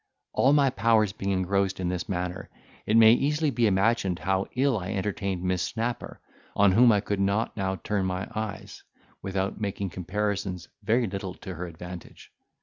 All my powers being engrossed in this manner, it may easily be imagined how ill I entertained Miss Snapper on whom I could not now turn my eyes, without making comparisons very little to her advantage.